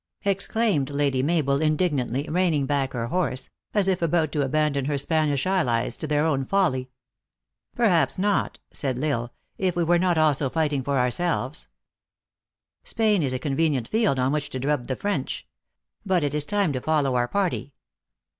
exclaimed Lady Mabel, indignantly, reining back her horse, as if about to abandon her Spanish allies to their own folly. " Perhaps not," said L Isle, " if we were not also 280 THE ACTRESS IN HIGH LIFE. fighting for ourselves. Spain is a convenient field on which to drub the French. But it is time to follow our party."